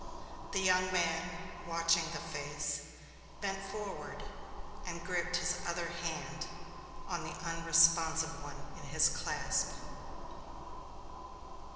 The young man, watching the face, bent forward and gripped his other hand on the unresponsive one in his clasp.